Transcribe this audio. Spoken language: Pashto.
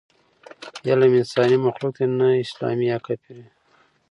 علم انساني مخلوق دی، نه اسلامي یا کافري.